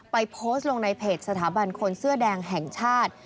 โพสต์ลงในเพจสถาบันคนเสื้อแดงแห่งชาติ